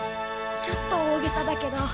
ちょっと大げさだけど。